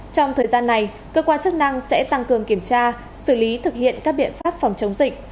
trong thời gian này cơ quan chức năng sẽ tăng cường kiểm tra xử lý thực hiện các biện pháp phòng chống dịch